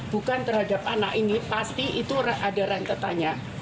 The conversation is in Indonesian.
bukan terhadap anak ini pasti itu ada rentetannya